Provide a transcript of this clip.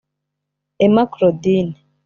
Emma Claudine